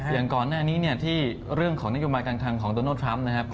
อย่างก่อนหน้านี้ที่เรื่องของนโยบายการคลังของโดนโลทรัมป์